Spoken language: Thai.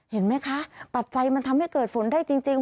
เห็นไหมคะปัจจัยมันทำให้เกิดฝนได้จริง